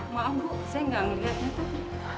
maaf bu saya nggak melihatnya tadi